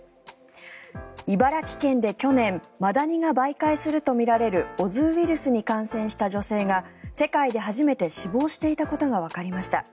茨城県で去年マダニが媒介するとみられるオズウイルスに感染した女性が世界で初めて死亡していたことがわかりました。